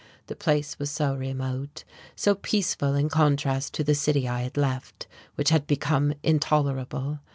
The place was so remote, so peaceful in contrast to the city I had left, which had become intolerable.